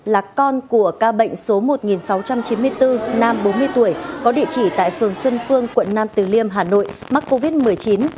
là con của ca bệnh số một nghìn sáu trăm chín mươi bốn nam bốn mươi tuổi có địa chỉ tại phường xuân phương quận nam từ liêm hà nội mắc covid một mươi chín